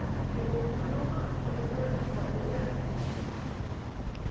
It will do no harm to regard it so again.